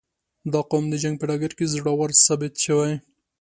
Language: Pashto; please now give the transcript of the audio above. • دا قوم د جنګ په ډګر کې زړور ثابت شوی.